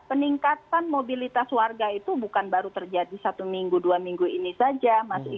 peningkatan mobilitas warga itu bukan baru terjadi satu minggu dua minggu ini saja mas